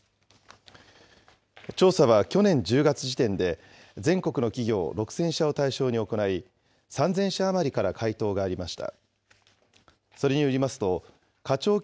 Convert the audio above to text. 調査は去年１０月時点で、全国の企業６０００社を対象に行い、３０００社余りから回答がありました。